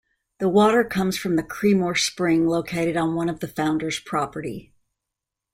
The water comes from the Creemore Spring located on one of the founder's property.